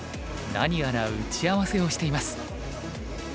何やら打ち合わせをしています。